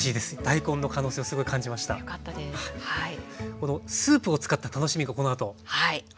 このスープを使った楽しみがこのあとあるんですよね。